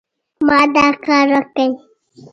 ما دا کار وکړ